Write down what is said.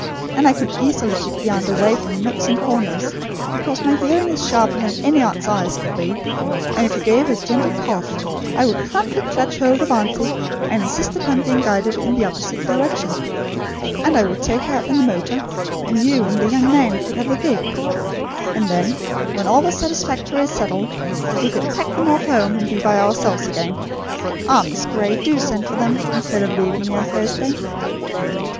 And I could easily keep the aunt away from nooks and corners, because my hearing is sharper than any aunt's eyes could be, and if you gave a gentle cough, I would promptly clutch hold of auntie, and insist upon being guided in the opposite direction. And I would take her out in the motor; and you and the young man could have the gig. And then when all was satisfactorily settled, we could pack them off home, and be by ourselves again. Ah, Miss Gray, do send for them, instead of leaving me on Thursday."